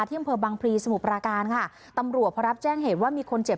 ที่เมืองบางพรีสมุปราการค่ะตำรวจพระรับแจ้งเหตุว่ามีคนเจ็บสาหัส